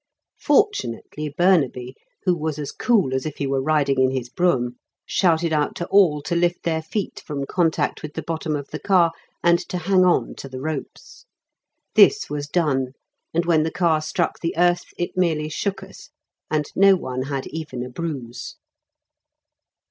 Fortunately Burnaby, who was as cool as if he were riding in his brougham, shouted out to all to lift their feet from contact with the bottom of the car, and to hang on to the ropes. This was done, and when the car struck the earth it merely shook us, and no one had even a bruise.